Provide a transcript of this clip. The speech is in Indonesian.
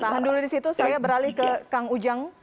tahan dulu di situ saya beralih ke kang ujang